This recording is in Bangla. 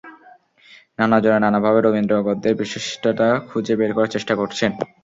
নানা জনে নানা ভাবে রবীন্দ্র-গদ্যের বিশিষ্টতা খুঁজে বের করার চেষ্টা করেছেন।